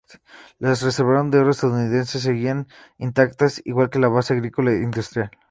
Las reservas de oro estadounidenses seguían intactas, igual que la base agrícola e industrial.